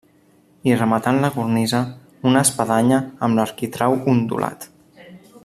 I rematant la cornisa, una espadanya amb l'arquitrau ondulat.